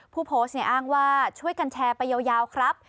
ผู้โพสต์เนี่ยอ้างว่าช่วยกันแชร์ไปยาวครับ